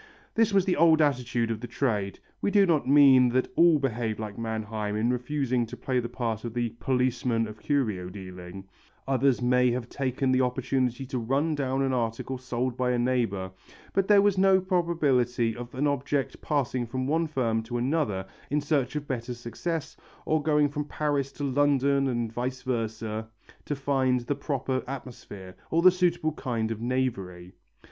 This was the old attitude of the trade. We do not mean that all behaved like Manheim in refusing to play the part of "policeman of curio dealing," others may have taken the opportunity to run down an article sold by a neighbour, but there was no probability of an object passing from one firm to another in search of better success, or going from Paris to London and vice versa to find the proper atmosphere or the suitable kind of knavery.